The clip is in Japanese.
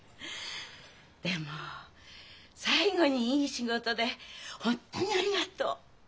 でも最後にいい仕事で本当にありがとう！